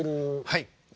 はい。